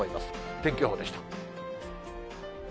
天気予報でした。